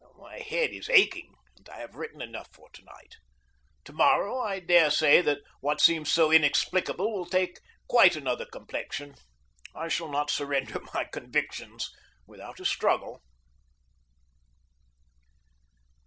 My head is aching, and I have written enough for to night. To morrow I dare say that what seems so inexplicable will take quite another complexion. I shall not surrender my convictions without a struggle.